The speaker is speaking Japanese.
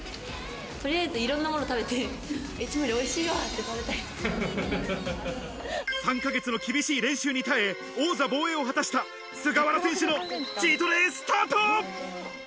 とりあえずいろんなもの食べて、いつもよりおいしいわって食べた３ヶ月の厳しい練習に耐え、王座防衛を果たした菅原選手のチートデイ、スタート！